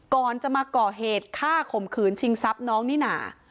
ก่อนจะมาก่อเหตุฆ่าข่มขืนชิงทรัพย์น้องนิน่า